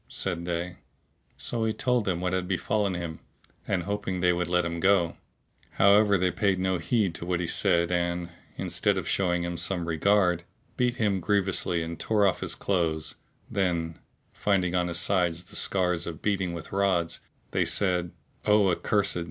said they: so he told them what had befallen him, hoping they would let him go; however they paid no heed to what he said and, instead of showing some regard, beat him grievously and tore off his clothes: then, finding on his sides the scars of beating with rods, they said, "O accursed!